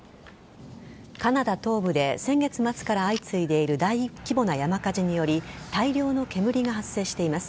カナダ東部で先月末から相次いでいる大規模な山火事により大量の煙が発生しています。